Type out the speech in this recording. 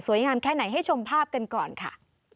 งามแค่ไหนให้ชมภาพกันก่อนค่ะ